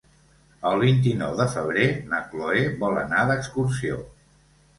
El vint-i-nou de febrer na Chloé vol anar d'excursió.